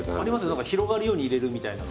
なんか広がるように入れるみたいな。